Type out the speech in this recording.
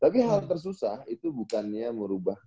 tapi hal tersusah itu bukannya merubah